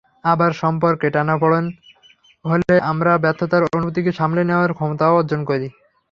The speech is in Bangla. আবার সম্পর্কে টানাপোড়েন হলে আমরা ব্যর্থতার অনুভূতিকে সামলে নেওয়ার ক্ষমতাও অর্জন করি।